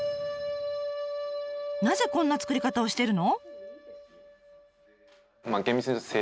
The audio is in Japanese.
なぜこんな造り方をしてるの？